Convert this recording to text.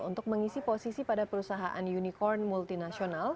untuk mengisi posisi pada perusahaan unicorn multinasional